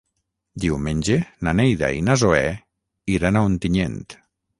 Diumenge na Neida i na Zoè iran a Ontinyent.